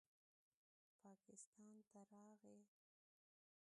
پاکستان ته راغے